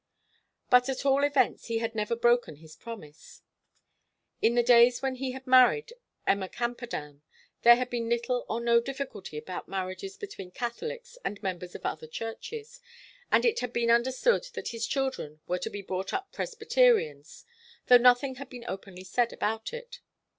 But at all events he had never broken his promise. In the days when he had married Emma Camperdown there had been little or no difficulty about marriages between Catholics and members of other churches, and it had been understood that his children were to be brought up Presbyterians, though nothing had been openly said about it.